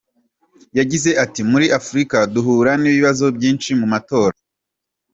Yagize ati “Muri Afurika duhura n’ibibazo byinshi mu matora.